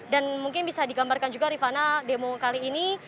dan mungkin bisa digambarkan juga rifana demo kali ini